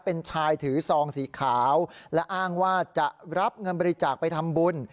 เป็นชายถือซองสีขาวและอ้างว่าจะรับเงินบริจาคไปทำบุญ